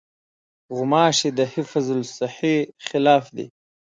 غوماشې د حفظالصحې خلاف دي.